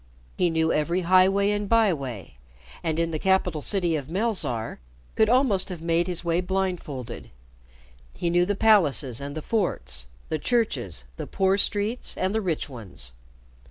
He knew every highway and byway, and in the capital city of Melzarr could almost have made his way blindfolded. He knew the palaces and the forts, the churches, the poor streets and the rich ones.